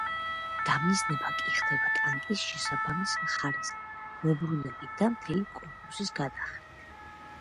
დამიზნება კი ხდება ტანკის შესაბამის მხარეზე მობრუნებით და მთელი კორპუსის გადახრით.